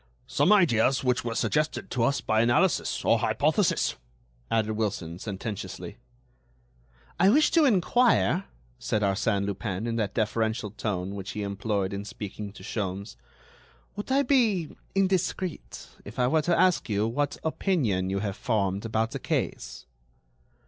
"Some ideas which were suggested to us by analysis or hypothesis," added Wilson, sententiously. "I wish to enquire," said Arsène Lupin, in that deferential tone which he employed in speaking to Sholmes, "would I be indiscreet if I were to ask you what opinion you have formed about the case?"